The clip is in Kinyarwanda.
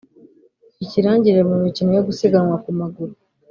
ikirangirire mu mikino yo gusiganwa ku maguru